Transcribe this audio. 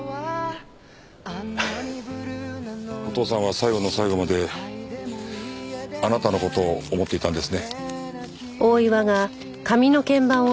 お父さんは最後の最後まであなたの事を思っていたんですね。